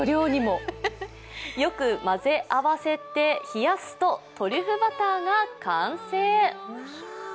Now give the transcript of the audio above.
よく混ぜ合わせて冷やすとトリュフバターが完成。